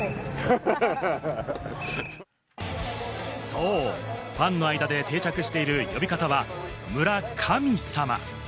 そう、ファンの間で定着している呼び方は村神様。